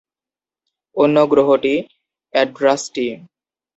অন্য গ্রহটি অ্যাড্রাসটি।